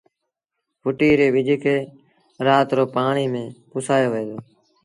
ڦٽيٚ ري ٻج کي رآت رو پآڻيٚ ميݩ پُسآيو وهي دو